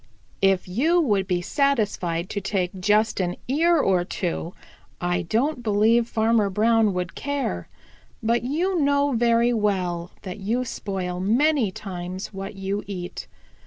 If you would be satisfied to take just an ear or two, I don't believe Farmer Brown would care, but you know very well that you spoil many times what you eat.